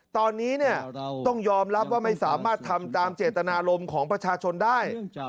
ตอนนี้ต้องยอมรับว่าไม่สามารถทำตามเจตนารมณ์ของประชาชนได้